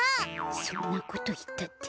そんなこといったって。